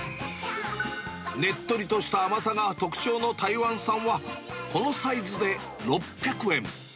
ねっとりとした甘さが特徴の台湾産は、このサイズで６００円。